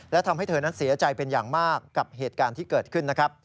และทำให้เธอนั้นเสียใจเป็นอย่างมากกับเหตุการณ์ที่เกิดขึ้นนะครับ